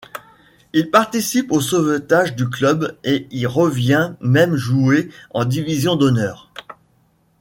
Il participe au sauvetage du club et y revient même jouer en Division d'Honneur.